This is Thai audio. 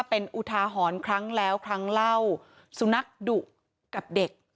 เป็นอุทาหรณ์ครั้งแล้วครั้งเล่าสุนัขดุกับเด็ก